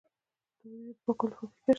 د وریجو د پاکولو فابریکې شته.